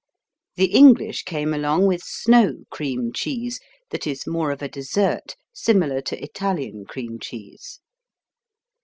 The English came along with Snow Cream Cheese that is more of a dessert, similar to Italian Cream Cheese.